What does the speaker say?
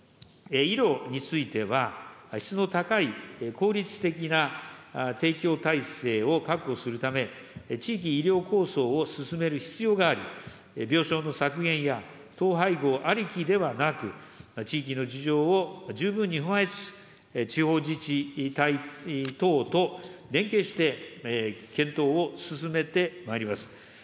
医療については、質の高い効率的な提供体制を確保するため、地域医療構想を進める必要があり、病床の削減や統廃合ありきではなく、地域の事情を十分に踏まえつつ、地方自治体等と連携して、検討を進めてまいります。